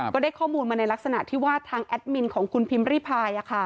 ก็ได้ข้อมูลมาในลักษณะที่ว่าทางแอดมินของคุณพิมพ์ริพาย